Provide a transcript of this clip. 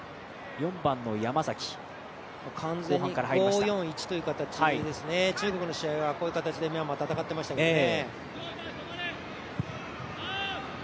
完全に５−４−１という形ですね中国の試合はこういう形でミャンマー、戦ってましたけどね。